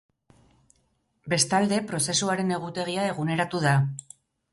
Bestalde, prozesuaren egutegia eguneratu da.